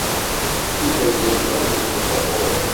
Yuba yella yebɣa ad yelmed taɣuri.